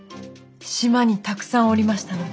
島にたくさんおりましたので。